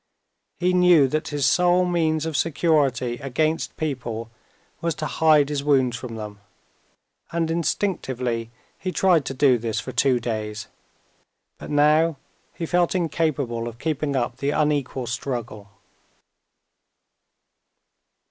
He knew that his sole means of security against people was to hide his wounds from them, and instinctively he tried to do this for two days, but now he felt incapable of keeping up the unequal struggle.